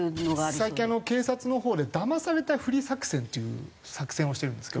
最近警察のほうでだまされたふり作戦という作戦をしてるんですけど。